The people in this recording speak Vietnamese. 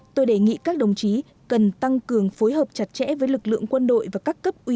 tôi đề nghị các đồng chí cần tăng cường phối hợp chặt chẽ với lực lượng quân đội và các cấp ủy